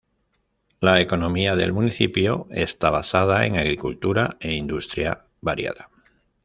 La economía del municipio está basada en agricultura e industria variada.